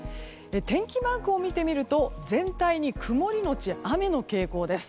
天気マークを見てみると全体的に曇りのち雨の傾向です。